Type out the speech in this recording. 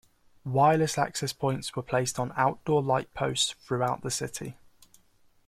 Wireless access points were placed on outdoor light posts throughout the city.